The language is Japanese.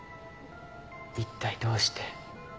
一体どうして。